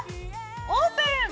オープン！